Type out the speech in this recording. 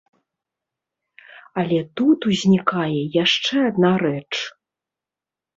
Але тут узнікае яшчэ адна рэч.